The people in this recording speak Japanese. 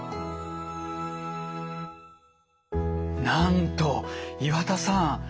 なんと岩田さん